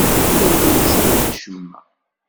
Ur llint sɛant acemma.